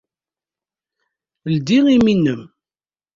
Ldi imi-nnem.